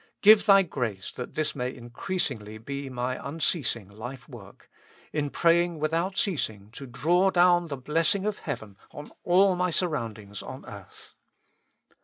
give Thy grace that this may increasingly be my unceasing life work — in praying without ceasing to draw down the blessing of heaven on all my surroundings on earth.